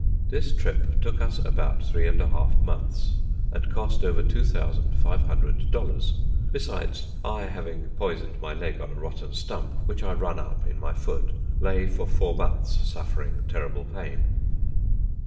This trip took us about three and a half months, and cost over 2500 dollars. Besides, I having poisoned my leg on a rotten stump which I run up in my foot, lay for four months suffering terrible pain.